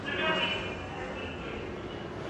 La ciudad apareció en Dr.